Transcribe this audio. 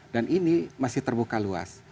dan ini masih terbuka luas